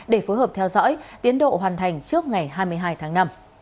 để phối hợp theo dõi tiến độ hoàn thành trước ngày hai mươi hai tháng năm